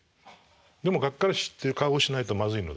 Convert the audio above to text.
でもがっかりした顔をしないとまずいので。